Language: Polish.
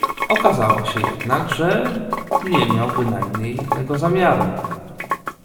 "Okazało się jednak, że nie miał bynajmniej tego zamiaru."